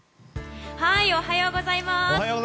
おはようございます。